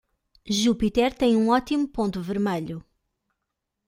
Jupiter tem um ótimo ponto vermelho.